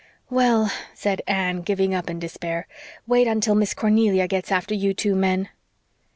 "Well," said Anne, giving up in despair, "wait until Miss Cornelia gets after you two men."